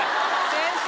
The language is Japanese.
先生。